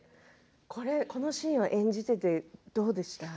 このシーンを演じててどうでした？